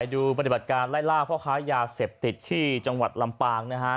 ดูปฏิบัติการไล่ล่าพ่อค้ายาเสพติดที่จังหวัดลำปางนะฮะ